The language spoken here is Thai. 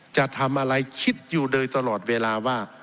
จะทำอะไรคิดอยู่โดยตลอดเวลาว่า